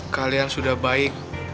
kalian sudah baik